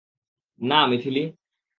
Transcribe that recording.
না, মিথিলি।